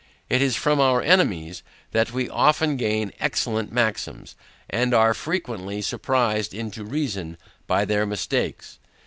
It is from our enemies that we often gain excellent maxims, and are frequently surprised into reason by their mistakes.